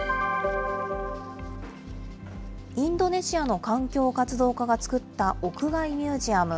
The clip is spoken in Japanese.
インドネシアの環境活動家が作った屋外ミュージアム。